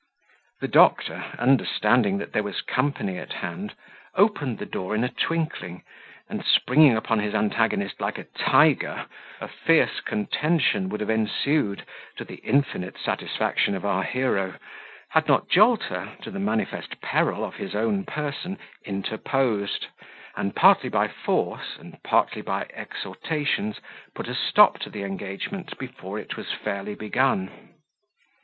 The doctor, understanding that there was company at hand, opened the door in a twinkling, and, springing upon his antagonist like a tiger, a fierce contention would have ensued, to the infinite satisfaction of our hero, had not Jolter, to the manifest peril of his own person, interposed, and partly by force, and partly by exhortations, put a stop to the engagement before it was fairly begun.